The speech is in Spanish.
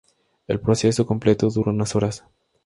El proceso completo dura unas horas.